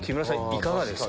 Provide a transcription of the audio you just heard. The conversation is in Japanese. いかがですか？